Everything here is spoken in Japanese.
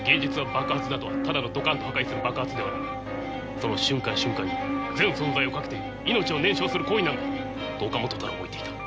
その瞬間瞬間に全存在をかけていのちを燃焼する行為なんだ。と岡本太郎も言っていた。